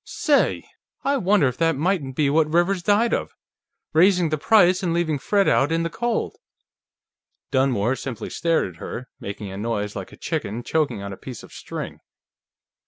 Say! I wonder if that mightn't be what Rivers died of? Raising the price and leaving Fred out in the cold!" Dunmore simply stared at her, making a noise like a chicken choking on a piece of string.